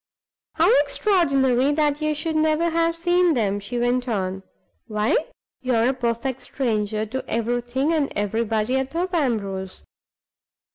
"How extraordinary that you should never have seen them!" she went on. "Why, you are a perfect stranger to everything and everybody at Thorpe Ambrose!